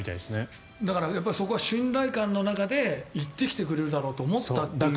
だから、そこは信頼感の中で言ってきてくれるだろうと思ったという。